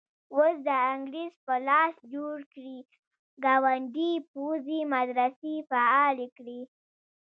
اوس د انګریز په لاس جوړ کړي ګاونډي پوځي مدرسې فعالې کړي.